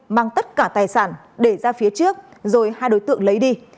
mang tất cả tài sản để ra phía trước rồi hai đối tượng lấy đi